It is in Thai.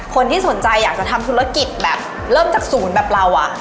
คนที่สนใจอยากจะทำธุรกิจแบบเริ่มจากศูนย์แบบเราอ่ะ